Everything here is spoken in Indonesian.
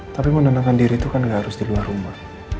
tapi menenangkan diri itu kan nggak harus di luar rumah